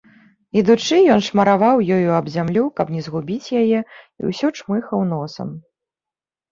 Ідучы, ён шмараваў ёю аб зямлю, каб не згубіць яе, і ўсё чмыхаў носам.